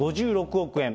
５６億円。